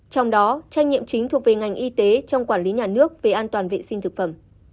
trong đó trách nhiệm chính thuộc về ngành y tế trong quản lý nhà nước về an toàn vệ sinh thực phẩm